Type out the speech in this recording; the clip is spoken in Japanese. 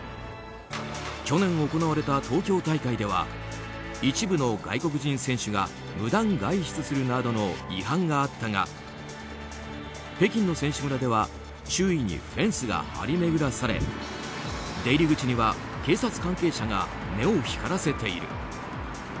去年行われた東京大会では一部の外国人選手が無断外出するなどの違反があったが北京の選手村では周囲にフェンスが張り巡らされ出入口には警察関係者が目を光らせている。